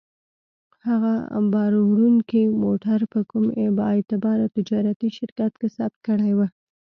هغه باروړونکی موټر په کوم با اعتباره تجارتي شرکت کې ثبت کړی و.